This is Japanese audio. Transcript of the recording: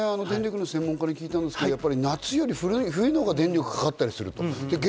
この間、電力の専門家に聞いたんですけど、夏より冬のほうが電力がかかったりする。